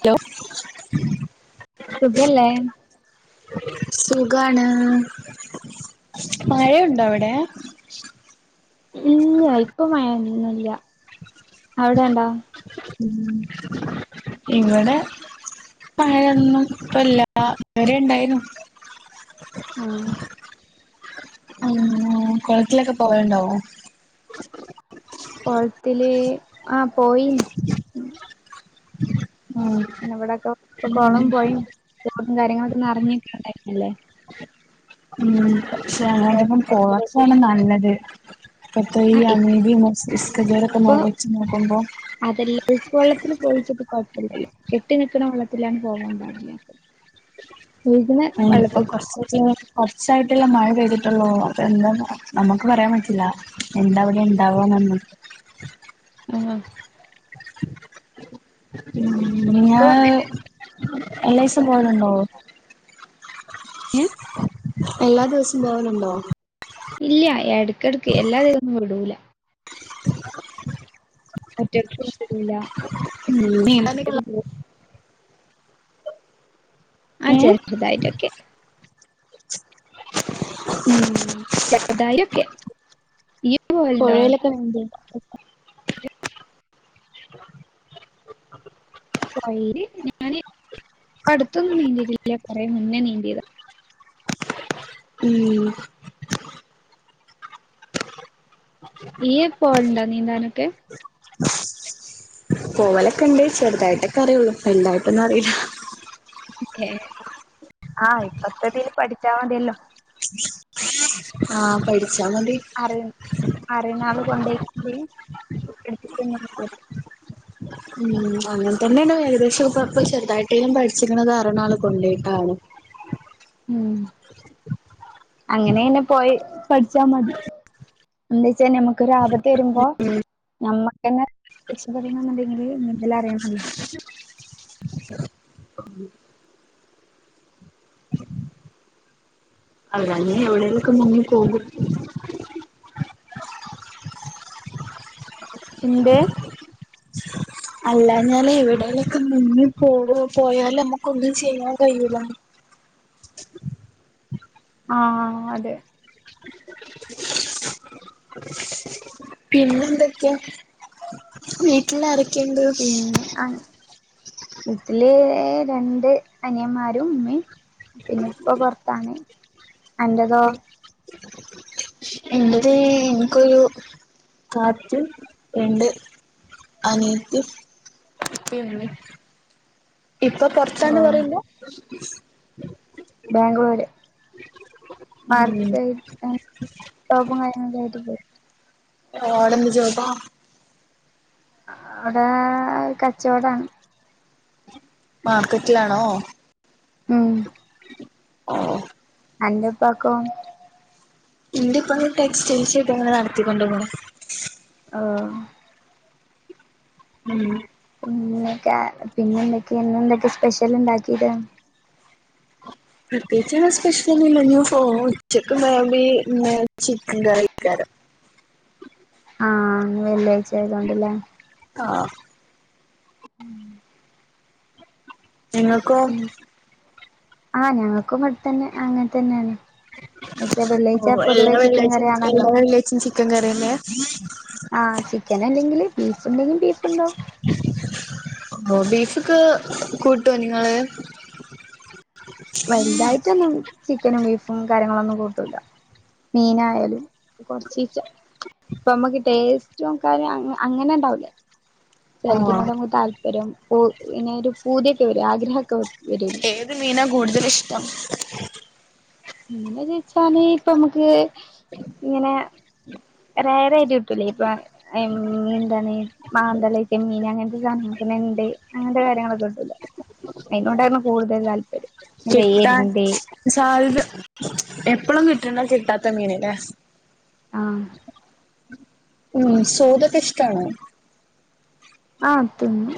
Hello സുഖല്ലേ സുഖാണ് മഴയുണ്ടോ അവിടെ ഇല്ല ഇപ്പൊ മഴന്നന്ന്ല്ല അവിടെണ്ടാ ഉംഇവിടെ മഴയൊന്നും ഇപ്പല്ല ഇതരെ ഇണ്ടായിന്നു ആഹ് ഉംകൊളത്തിലൊക്കെ പോവല്ണ്ടൊ കൊളത്തില് ആഹ് പോയിന് ഉം പിന്നെ ഇവിടൊക്കെ ഇ കൊളം പൊയിം തോടും കാര്യങ്ങളൊക്കെ നറഞ്ഞ് ക്ക്ണ ടൈം അല്ലേ ഉം പക്ഷെ ങ്ങട്ട് ഇപ്പം പോവാത്തതാണ് നല്ലത് ഇപ്പത്തെ ഈ ആഹ് അമീബിം മസ്തിഷ്ക ജ്യരൊക്കെ നറച്ച് നോക്കുമ്പോ അതെല്ല ഉപ്പ് വള്ളത്തിൽ പോയിച്ചിട്ട് കൊഴപ്പല്ലല്ലൊ കെട്ടി നിക്കണ വെള്ളത്തിലാണ് പോവാൻ പാടില്ലത്തത് ആഹ് ഇപ്പം കൊറച്ച് [unintelligible] കൊറച്ചായിട്ട്ള്ള മഴ പെയ്തിട്ടൊള്ളൂ അപ്പ എന്താ നമ്മുക്ക് പറയാൻ പറ്റില്ല എന്താ അവിടെ ഇണ്ടാവന്നൊന്നും [unintelligible] അപ്പൊ ഇങ്ങാൾ അപ്പൊ എല്ലാഇസും പോകലുണ്ടോ ഇൻ എല്ലാ ദിവസവും പോവലുണ്ടോ ഇല്ല എടക്കടക്ക് എല്ലാ ദിവസും വിടൂല ഒറ്റക്കൊന്നും വിടൂല ഉം നീന്തണിങ്കികൊള്ളാം ഒറ്റക്ക് പോ ആഹ് ചെരിതായിട്ടൊക്കെ ഉം ചെറുദായൊക്കെ ഈ പുഴയിലൊക്കെ നീന്തോ അ പുഴല് ഞാന് ഇപ്പടുത്തൊന്നും നീന്തീട്ടില്ല കുറെ മുന്നേ നീന്തിയതാ ഉം നീപോവലണ്ടോ നീന്താനൊക്കെ പോവലൊക്കെ ഉണ്ട് ചെറുതായിട്ടൊക്കെ അറിയയുള്ളൂ വലുതായിട്ടൊന്നും അറിയില്ല ആഹ ഇപ്പത്തതിൽ പഠിച്ചാമതിയല്ലോ ആഹ പഠിച്ചാ മതി അ അറുന്നാള് കൊണ്ടോക്കണ്ട എടുത്തിട്ട ഉം അങ്ങനെ തന്നെയ ഏകദേശംപ്പ ചെറുതായിട്ടേങ്കിലും പഠിച്ചിക്കണുന്നത് അരണ ആൾ കൊണ്ടയിട്ടാണ് ഉ അങ്ങനെന്നെ പോയി പഠിച്ചാ മതി എന്താച്ചാ നമുക്ക് ഒരു അപത്ത് വരുമ്പോ നമ്മക്ക് തന്നെത് രക്ഷപ്പെടണ എന്നുണ്ടെങ്കിൽ നീന്തല അറിയണമല്ലോ അതാ നീ എവിടെേലക്കെ മുങ്ങി പോകും പിൻന്റെ അല്ല ഞാൽ എവിടേലൊക്കെ മുങ്ങി പോവ പോയാൽ നമ്മുക്കൊന്നും ചെയ്യാൻ കഴിയില്ല ആഹ അതെ പിന്നെന്തൊക്കെയാ വീട്ടിൽ ആരക്കെയുണ്ട് പിന്നെ വീട്ടെ രണ്ട് അനയന്മാരും ഉമ്മയും പിന്നെ ഇപ്പൊ പുറത്താണ് എന്റതോ എന്റെത് എനക്കൊരു കാറ്റ് രണ്ട് അനിയത്തിയും ഉപ്പയും ഉമ്മയും ഇപ്പൊ ഓ പൊറത്താണ് പറയുമ്പോൾ ബാംഗ്ലൂര് മർക്കൈഡ സു കായങ്ങ ക ഓവിടെന്ത്‌ ജോബാ അവിടെ കച്ചവടാണ് മാർക്കറ്റിലാണോ ഉം ആഹ എന്റെപ്പക്കൊ ഇൻറെ ഇപ്പം ടെക്സ്റ്റൈൽസ്ട്ട്ഞങ്ങെ നടത്തിക്കണ്ടു പോണ് ആഹ ഉം പിന്നൊക്കെ പിന്നെ എന്തൊക്കെ എന്നെ എന്തൊക്കെ സ്പെഷ്യൽ ഇണ്ടാക്കീട്ട് പ്രത്യേകിച്ചി സ്പെഷ്യൽ തന്നെ ഇല്ല പോ ഉച്ചക്ക് മാേമി ചിക്കൻ കിക്കാരം ആഹ വെള്ളിയാഴ്ച്ച ആയതൊണ്ടില്ലേ ആഹ് ഉം എങ്ങൾക്കൊ ഉം ആഹ് ഞങ്ങൾക്കും അവിടെത്തന്നെ അങ്ങനെ തന്നെയാണ് എന്നച്ചാ വെള്ളിയാഴച്ച ഓഹ് എല്ലാ പൊതുവെ ചിക്കൻ വെള്ളിയാഴ്ചയും കറ എല്ലാ ആണല്ലോ വെള്ളിയാഴ്ചയും ചിക്കൻ കറിയല്ല ആഹ ചിക്കൻല്ലെങ്കില് ബീഫ് ഉണ്ടെങ്കും ബീഫ് ഉണ്ടാവോ ഓ ബീഫക്കെ കൂട്ടോ നിങ്ങള് വലുതായിട്ടൊന്നും ചിക്കനും ബീഫും കാര്യങ്ങളൊന്നും കൂട്ടൂല്ല മീനായാലും കൊറച്ച് ഇപ്പൊ നമുക്ക് ടേസ്റ്റും കാര്യ അങ്ങനെ ഉണ്ടാവൂലേ ആഹ് ചലതിനനോട് നമുക്ക് താല്പര്യം ഇനൊ ഒരു പൂതിയൊക്കെ വര ആഗ്രഹമൊക്കെ വരൂലേ ഏത് മീനാ കൂടുതല ഇഷ്ടം? ഇങ്ങനെ ചോദിച്ചാല് ഇപ്പൊ നമുക്ക് ഇങ്ങനെ റയർായിട്ട് കിട്ടൂലേ ഇപ്പൊ എന്താണ് മാന്തള ചെമ്മീൻ അങ്ങനത്തെ സാധനങ്ങൾക്ക് നെണ്ട് അങ്ങനത്തെ കാര്യങ്ങളൊക്കെ കട്ടല്ല അതിനോടായിരുന്നു കൂടുതൽ താല്പര്യം. എന്താ കിട്ടാൻ എരുന്ത് സാധ്യത എപ്പോഴും കിട്ടണ കിട്ടാത്ത മീനല്ലേ ആഹ് ഉം സ്വാദൊക്കെ ഇഷ്ടാണോ? ആ തിന്നും.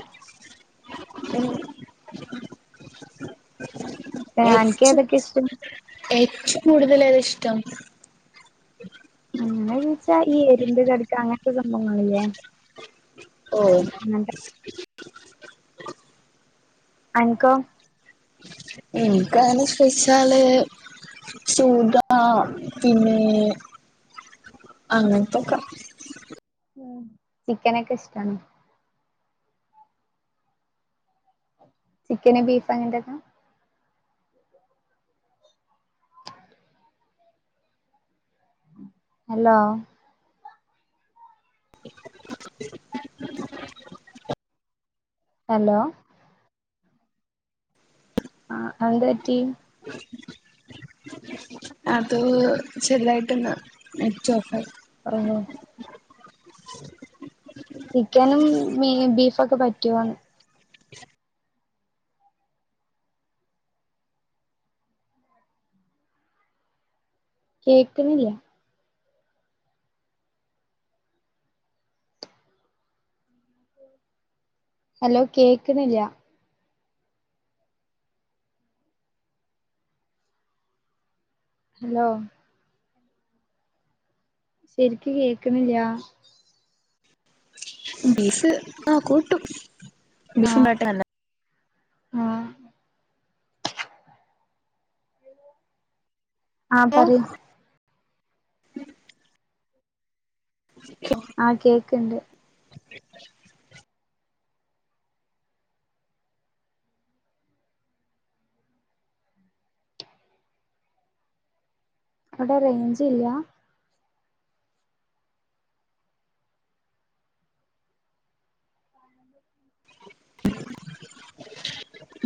ഉം അനക്ക് ഏറ്റും ഏതൊക്കെ ഇഷ്ടം ഏറ്റവും കൂടുതൽ ഏതാ ഇഷ്ടം? അങ്ങനെ ചോദിച്ചാ ഈ എരുന്ത്‌ കട്ക്ക അങ്ങനത്തെ സംഭവങ്ങളില്ലേ ഓ ഉം [unintelligible] [inaudible] അനക്കോ? ഇൻകങ്ങനെ ഇഷ്ടാ ചോയ്ച്ചാല് സൂദ പിന്നെ അങ്ങനത്തൊക്കെ ഉം ചിക്കനൊക്കെ ഇഷ്ടാണ്. ചിക്കന് ബീഫ് അങ്ങനെത്തൊക്കെ. ഹലോ! [inaudible] ഹലോ! ആ എന്ത പറ്റി? അത് ചെറുതായിട്ടൊന്ന് നെറ്റ് ഓഫായി. ഹലോ! ചിക്കനും ബീഫൊക്കെ പറ്റുവോന്ന്!? കേക്കുന്നില്ല. ഹലോ കേക്കുന്നില്ല! ഹലോ! ശരിക്ക് കേക്കുന്നില്ല. ബീഫ് ആ കൂട്ടും ആഹ് ബീഫുണ്ടാക്കാന് ആഹ് ആ പറയ്. ആ കേക്ക്ണ്ട്. അവിടെ റേഞ്ച് ഇല്ല.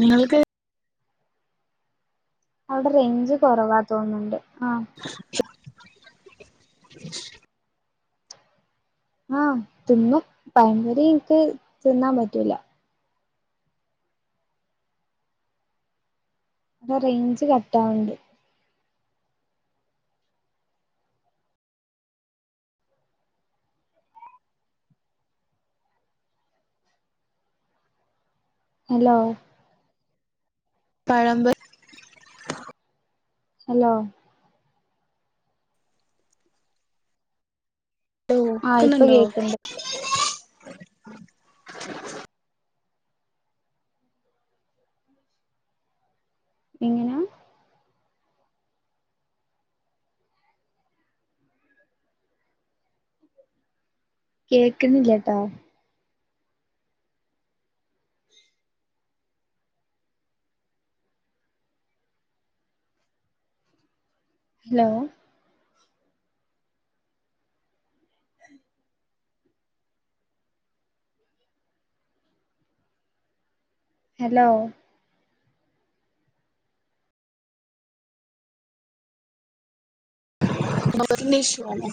നിങ്ങൾക്ക് അവിടെ റേഞ്ച് കുറവാ തോന്നുണ്ട് ആ ശ [inaudible] [inaudible] ആ തിന്നും പഴംപൊരി എനിക്ക് തിന്നാൻ പറ്റൂല. അവിടെ റേഞ്ച് കട്ടാവ്ണ്ട്. ഹലോ! പഴമ്പൊ ഹലോ! ആ ഇപ്പൊ കേക്കുന്നുണ്ടോ കേൾക്ക്ണ്ട്. ഇങ്ങനെ കേക്കുന്നില്ലട്ടോ. ഹലോ! ഹലോ! [unintelligible] ഇഷ്യുവാണ്